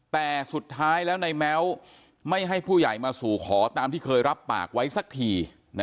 แต่สุดท้ายแล้วในแม้วไม่ให้ผู้ใหญ่มาสู่ขอตามที่เคยรับปากไว้สักที